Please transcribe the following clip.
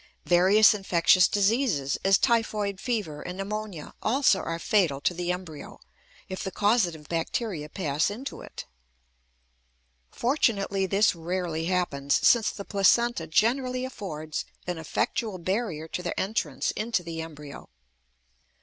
Various infectious diseases, as typhoid fever and pneumonia, also are fatal to the embryo if the causative bacteria pass into it. Fortunately this rarely happens, since the placenta generally affords an effectual barrier to their entrance into the embryo.